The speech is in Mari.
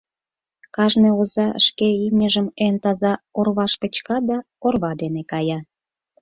Кажне оза шке имньыжым эн таза орваш кычка да орва дене кая.